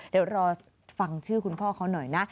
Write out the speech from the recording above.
เดี๋ยวรอฟังชื่อคุณพ่อเขาหน่อยนะ